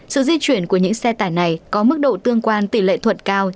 sự di chuyển của những xe tải này có mức độ tương quan tỷ lệ thuận cao